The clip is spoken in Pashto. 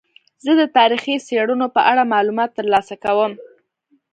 زه د تاریخي څیړنو په اړه معلومات ترلاسه کوم.